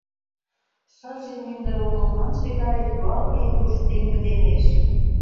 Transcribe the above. Шыже мӱндыр огыл манше гай юалге юж пеҥгыдемеш.